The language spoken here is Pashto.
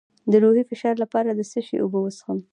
د روحي فشار لپاره د څه شي اوبه وڅښم؟